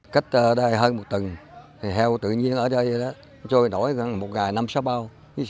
cách đây hơn một tầng heo tự nhiên ở đây trôi nổi một ngày năm sáu bao